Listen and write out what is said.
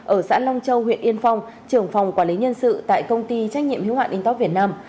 ở xã long châu huyện yên phong trưởng phòng quản lý nhân sự tại công ty trách nhiệm hiếu hạn intok việt nam